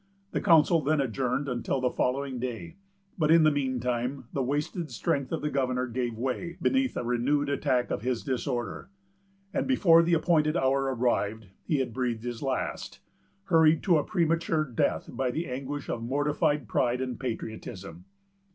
The council then adjourned until the following day; but, in the mean time, the wasted strength of the governor gave way beneath a renewed attack of his disorder; and, before the appointed hour arrived, he had breathed his last, hurried to a premature death by the anguish of mortified pride and patriotism.